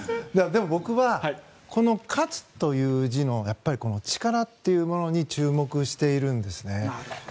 でも僕はこの「勝」という字の力っていうものに注目しているんですね。